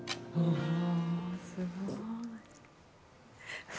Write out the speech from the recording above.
わ、すごい！